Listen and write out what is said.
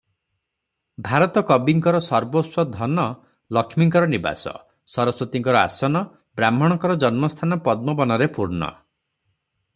ଭାରତ କବିଙ୍କର ସର୍ବସ୍ୱ ଧନ ଲକ୍ଷ୍ମୀଙ୍କର ନିବାସ, ସରସ୍ୱତୀଙ୍କର ଆସନ, ବ୍ରାହ୍ମଣଙ୍କର ଜନ୍ମସ୍ଥାନ ପଦ୍ମ ବନରେ ପୂର୍ଣ୍ଣ ।